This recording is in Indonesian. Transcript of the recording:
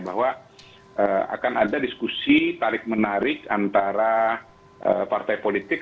bahwa akan ada diskusi tarik menarik antara partai politik